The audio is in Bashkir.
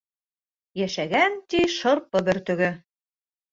Йәшәгән, ти, Шырпы бөртөгө.